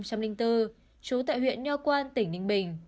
chú tại huyện nho quan tỉnh ninh bình